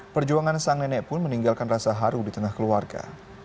perjuangan sang nenek pun meninggalkan rasa haru di tengah keluarga